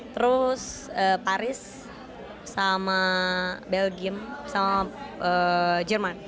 terus paris sama belgim sama jerman